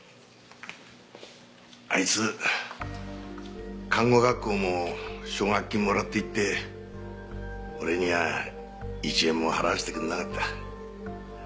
あいつ看護学校も奨学金もらって行って俺には一円も払わせてくれなかった。